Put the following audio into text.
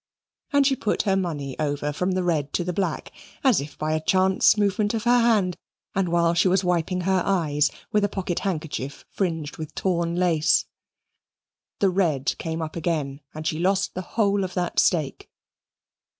And she put her money over from the red to the black, as if by a chance movement of her hand, and while she was wiping her eyes with a pocket handkerchief fringed with torn lace. The red came up again, and she lost the whole of that stake.